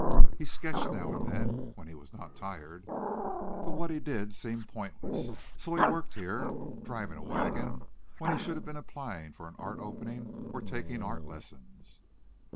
He sketched now and then when he was not tired, but what he did seemed pointless. So he worked here, driving a wagon, when he should have been applying for an art opening, or taking art lessons.